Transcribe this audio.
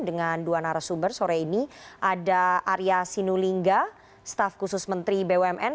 dengan dua narasumber sore ini ada arya sinulinga staf khusus menteri bumn